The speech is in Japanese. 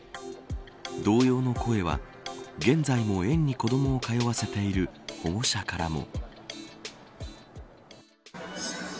同様の声は現在も園に子どもを通わせている保護者からも。